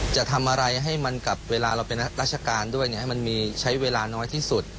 จะทำอะไรให้มันกับเวลาเราเป็นราชการด้วยให้มันมีใช้เวลาน้อยที่สุด